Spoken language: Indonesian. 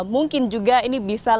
mungkin juga ini bisa lebih tinggi